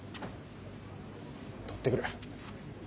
取ってくる。